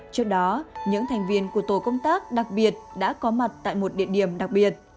trước đó những thành viên của tổ công tác đặc biệt đã có mặt tại một địa điểm đặc biệt